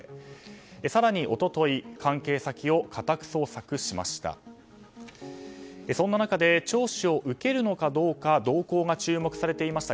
更に一昨日関係先を家宅捜索しました。